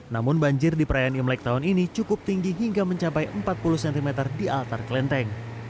namun banjir di perayaan imlek tahun ini cukup tinggi hingga mencapai empat puluh cm di altar kelenteng